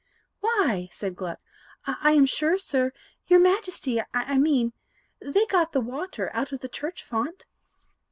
"Why," said Gluck, "I am sure, sir your Majesty, I mean they got the water out of the church font."